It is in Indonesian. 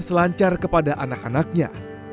selancar kepada anak anaknya